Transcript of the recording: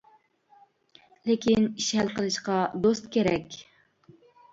لېكىن ئىش ھەل قىلىشقا دوست كېرەك!